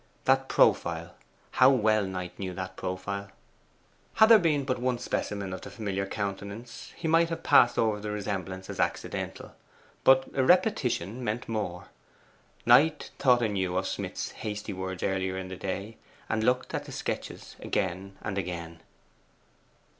That profile how well Knight knew that profile! Had there been but one specimen of the familiar countenance, he might have passed over the resemblance as accidental; but a repetition meant more. Knight thought anew of Smith's hasty words earlier in the day, and looked at the sketches again and again.